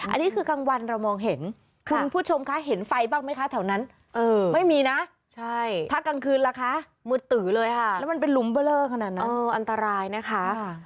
อันนี้คือกลางวันเรามองเห็นคุณผู้ชมคะเห็นไฟบ้างไหมคะแถวนั้นไม่มีนะถ้ากลางคืนล่ะคะมืดตือเลยค่ะแล้วมันเป็นลุมเบอร์เลอร์ขนาดนั้นอันตรายนะคะ